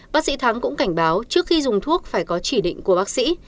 bác sĩ thắng cũng cảnh báo trước khi dùng thuốc phải có chỉ định của bác sĩ